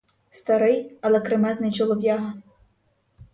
Старий, але кремезний чолов'яга.